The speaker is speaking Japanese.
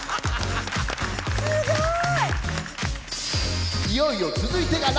すごい！